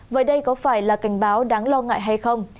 vậy đây có phải là cảnh báo đáng lo ngại hay không